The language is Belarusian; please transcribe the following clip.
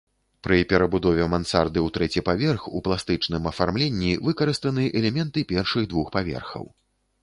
Пры перабудове мансарды ў трэці паверх у пластычным афармленні выкарыстаны элементы першых двух паверхаў.